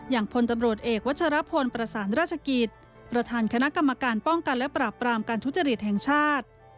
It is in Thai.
พลตำรวจเอกวัชรพลประสานราชกิจประธานคณะกรรมการป้องกันและปราบปรามการทุจริตแห่งชาติ